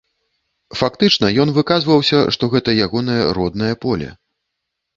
Фактычна ён выказваўся, што гэта ягонае роднае поле.